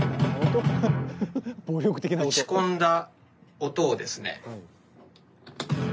打ち込んだ音をですね。